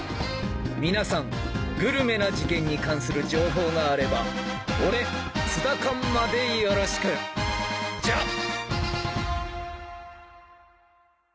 皆さんグルメな事件に関する情報があれば俺ツダカンまでよろしくじゃ！